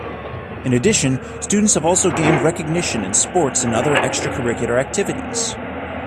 In addition, students have also gained recognition in sports and other extracurricular activities.